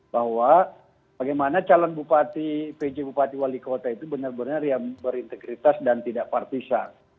bahwa bagaimana calon bupati pj bupati wali kota itu benar benar yang berintegritas dan tidak partisan